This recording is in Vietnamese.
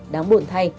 đáng buồn thay